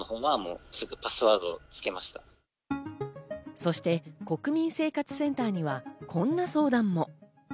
そして国民生活センターにはこんな相談も。